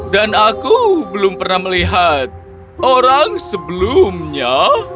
dan aku belum pernah melihat orang sebelumnya